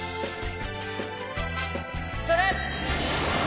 ストレッ！